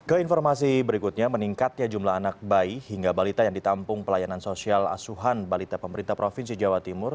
keinformasi berikutnya meningkatnya jumlah anak bayi hingga balita yang ditampung pelayanan sosial asuhan balita pemerintah provinsi jawa timur